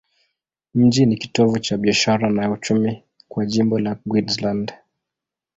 Mji ni kitovu cha biashara na uchumi kwa jimbo la Queensland.